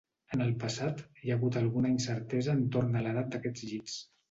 En el passat, hi ha hagut alguna incertesa entorn a l'edat d'aquests llits.